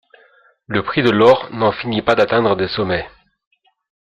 Le prix de l'or n'en finit pas d'atteindre des sommets.